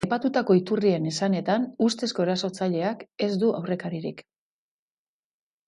Aipatutako iturrien esanetan, ustezko erasotzaileak ez du aurrekaririk.